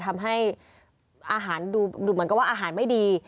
ทำให้อาหารดูเหมือนกับว่าอาหารไม่ดี